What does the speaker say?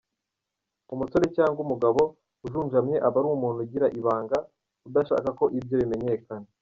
Umusore cyangwa umugabo ujunjamye aba ari umuntu ugira ibanga, udashaka ko ibye bimenyekana.